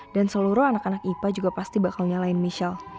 dan seluruh anak anak ipa juga pasti bakal nyalahin michelle